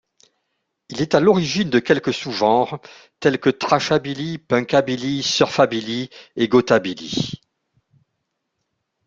Il est à l'origine de quelques sous-genres tels que thrashabilly, punkabilly, surfabilly et gothabilly.